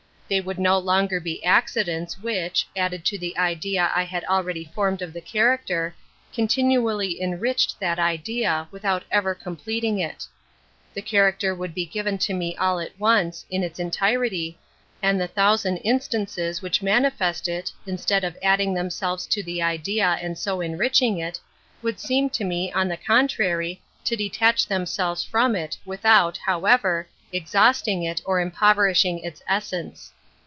They would no longer be accidents which, added to the idea I had already formed of the character, continually enriched that idea, without ever completing it. The character would be given to me all at once, in its entirety, and the thousand incidents An Introduction to which manifest it, instead of adding them selves to the idea and so enriching it, would Beein to me, on tlie contrary, to detach themselves from it, without, however, ex hausting it or impoverishing its essence.